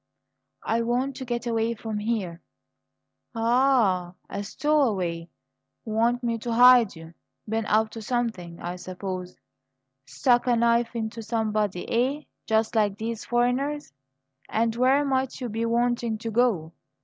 "I want to get away from here " "Aha! Stowaway! Want me to hide you? Been up to something, I suppose. Stuck a knife into somebody, eh? Just like these foreigners! And where might you be wanting to go?